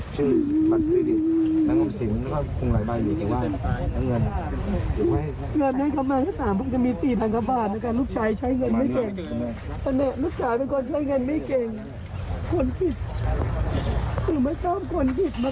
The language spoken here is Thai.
เจ้าตุ๊กแก้สามเดือนเองค่าลูกชายแม่ผู้ผลตกเจ้า๓เดือนต้องกบต้องหลงไป